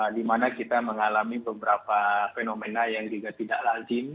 dimana kita mengalami beberapa fenomena yang juga tidak lazim